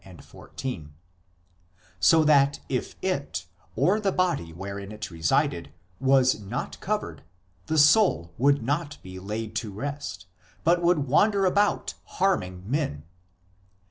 11, 14), so that if it, or the body wherein it resided, was not covered the soul would not be laid to rest, but would wander about harming men.